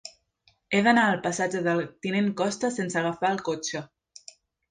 He d'anar al passatge del Tinent Costa sense agafar el cotxe.